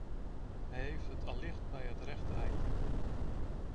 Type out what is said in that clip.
Hij heeft het allicht bij het rechte eind.